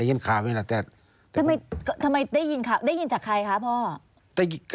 ได้ยินข่าวอย่างเงี้ยแต่ทำไมทำไมได้ยินข่าวได้ยินจากใครคะพ่อ